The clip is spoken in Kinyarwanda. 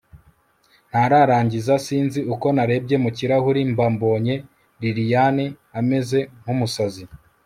ntararangiza sinzi uko narebye mukirahuri mba mbonye lilian ameze kumusazi